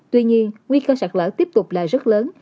tuy nhiên nguy cơ sạt lở tiếp tục là rất lớn